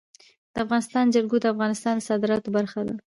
د افغانستان جلکو د افغانستان د صادراتو برخه ده.